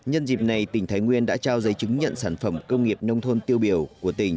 nhân dịp này tỉnh thái nguyên đã trao giấy chứng nhận sản phẩm công nghiệp nông thôn tiêu biểu của tỉnh